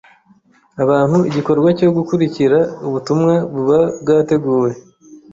abantu igikorwa cyo gukurikira ubutumwa buba bwateguwe